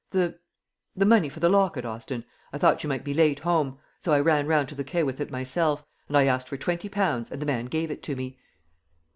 "The the money for the locket, Austin. I thought you might be late home; so I ran round to the Quai with it myself. And I asked for twenty pounds, and the man gave it to me."